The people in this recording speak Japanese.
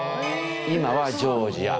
今はジョージア。